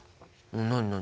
何何？